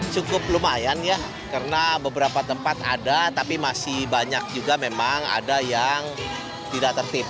cukup lumayan ya karena beberapa tempat ada tapi masih banyak juga memang ada yang tidak tertip